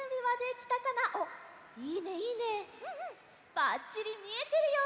ばっちりみえてるよ！